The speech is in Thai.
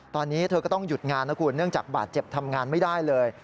ตอนนี้เธอก็ต้องหยุดงานนะคุณเนื่องจากบาดเจ็บทำงานไม่ได้เลย